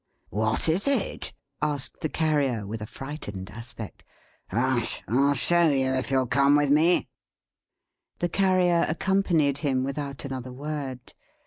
"What is it?" asked the Carrier, with a frightened aspect. "Hush! I'll show you, if you'll come with me." The Carrier accompanied him, without another word.